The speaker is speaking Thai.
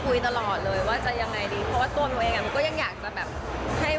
ก็คุยตลอดเลยว่าจะยังไงดี